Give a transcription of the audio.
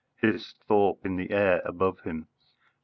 hissed Thorpe in the air above him.